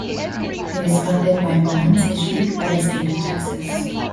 It is funded by bonds issued by the state of Texas.